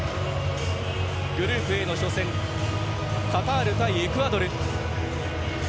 グループＡの初戦カタール対エクアドル。